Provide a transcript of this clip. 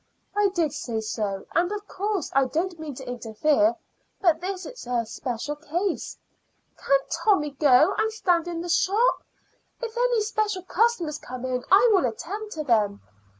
"I did say so, and of course I don't mean to interfere; but this is a special case." "Can't Tommy go and stand in the shop? If any special customers come in I will attend to them."